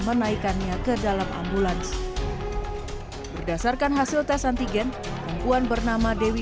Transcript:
menaikannya ke dalam ambulans berdasarkan hasil tes antigen perempuan bernama dewi